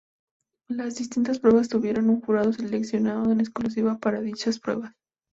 Las distintas pruebas tuvieron un jurado seleccionado en exclusiva para dichas pruebas.